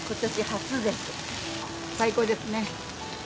最高ですね。